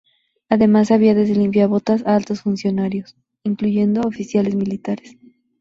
Además había desde limpiabotas a altos funcionarios, incluyendo oficiales militares